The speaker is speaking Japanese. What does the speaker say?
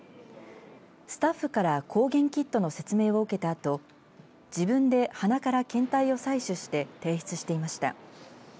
スタッフから抗原キットの説明を受けたあと自分で鼻から検体を採取して提出していました。